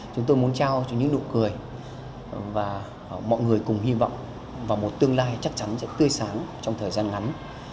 chúng tôi muốn trao cho những nụ cười và mọi người cùng hy vọng vào một tương lai chắc chắn sẽ tươi sáng trong thời gian ngắn